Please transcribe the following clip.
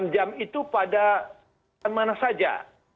delapan jam itu pada mana saja